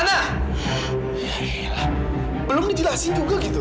ya gila belum dijelasin juga gitu